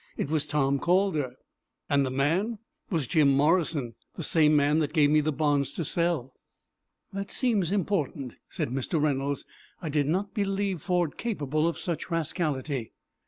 "It was Tom Calder." "And the man?" "Was Jim Morrison, the same man that gave me the bonds to sell." "That seems important," said Mr. Reynolds. "I did not believe Ford capable of such rascality."